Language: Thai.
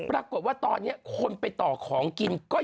ปรากฏว่าตอนนี้คนไปต่อของกินก็